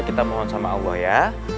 kita mohon sama allah ya